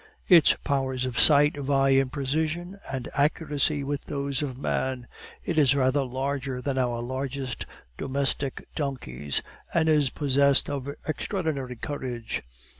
Its powers of sight vie in precision and accuracy with those of man; it is rather larger than our largest domestic donkeys, and is possessed of extraordinary courage.